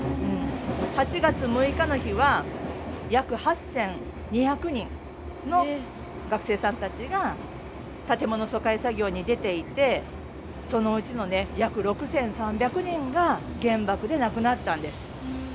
８月６日の日は約８，２００人の学生さんたちが建物疎開作業に出ていてそのうちの約６，３００人が原爆で亡くなったんです。